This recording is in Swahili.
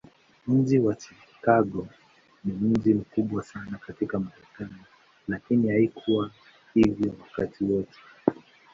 Mji wa Chicago ni mji mkubwa sana katika Marekani, lakini haikuwa hivyo wakati wote.